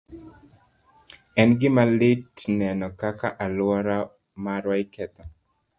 En gima lit neno kaka alwora marwa iketho.